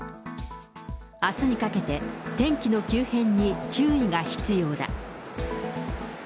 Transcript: あすにかけて、天気の急変に注意が必要だ。